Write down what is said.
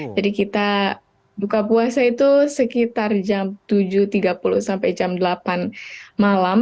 jadi kita buka puasa itu sekitar jam tujuh tiga puluh sampai jam delapan malam